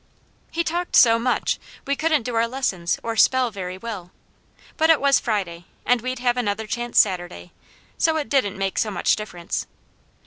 He talked so much we couldn't do our lessons or spell very well, but it was Friday and we'd have another chance Saturday, so it didn't make so much difference.